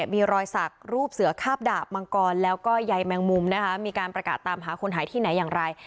มีรอยสักรูปเสือคาบดาบมังกรแล้วก็ใยแมงมุมนะคะมีการประกาศตามหาคนหายที่ไหนอย่างไร